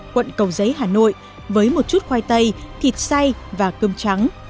quận cầu giấy hà nội với một chút khoai tây thịt xay và cơm trắng